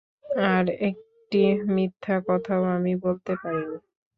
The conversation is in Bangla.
আর একটি মিথ্যা কথাও আমি বলতে পারিনি।